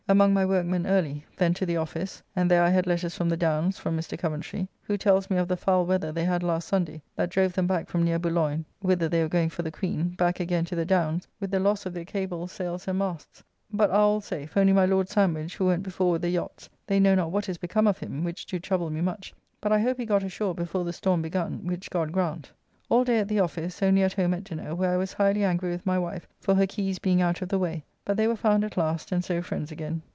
Among my workmen early: then to the office, and there I had letters from the Downs from Mr. Coventry; who tells me of the foul weather they had last Sunday, that drove them back from near Boulogne, whither they were going for the Queen, back again to the Downs, with the loss of their cables, sayles, and masts; but are all safe, only my Lord Sandwich, who went before with the yachts; they know not what is become of him, which do trouble me much; but I hope he got ashore before the storm begun; which God grant! All day at the office, only at home at dinner, where I was highly angry with my wife for her keys being out of the way, but they were found at last, and so friends again.